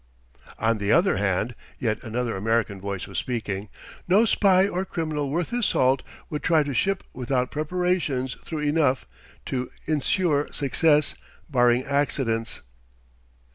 "On the other hand" yet another American voice was speaking "no spy or criminal worth his salt would try to ship without preparations thorough enough to insure success, barring accidents."